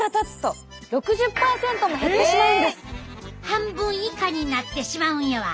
半分以下になってしまうんやわ。